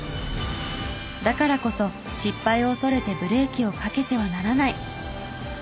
だからこそ失敗を恐れてブレーキをかけてはならない。